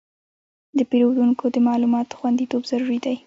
د پیرودونکو د معلوماتو خوندیتوب ضروري دی.